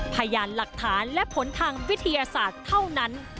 พยานหลักฐานและผลทางวิทยาศาสตร์เท่านั้น